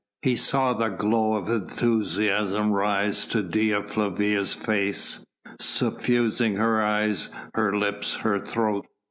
He saw the glow of enthusiasm rise to Dea Flavia's face, suffusing her eyes, her lips, her throat.